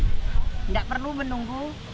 tidak perlu menunggu